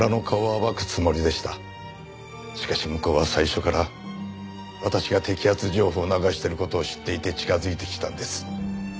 しかし向こうは最初から私が摘発情報を流している事を知っていて近づいてきたんです。